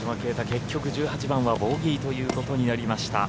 結局１８番はボギーということになりました。